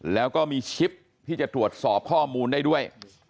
แล้วก็มีชิปที่จะตรวจสอบข้อมูลได้ด้วย